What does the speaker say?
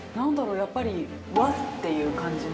やっぱり和という感じの。